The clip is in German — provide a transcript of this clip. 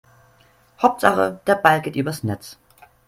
Hauptsache der Ball geht übers Netz.